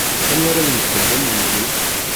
Anwa ara yemmten d amenzu?